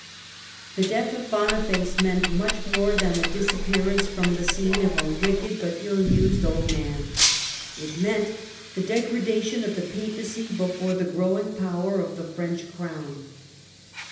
The death of Boniface meant much more than the disappearance from the scene of a wicked but ill used old man ; it meant the degradation of the Papacy before the growing power of the French Crown.